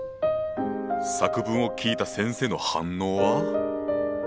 作文を聞いた先生の反応は。